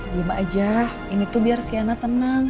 diam aja ini tuh biar sienna tenang